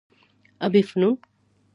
ابي فنون